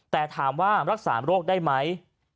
แต่ถามว่ารักษาโรคได้ไหม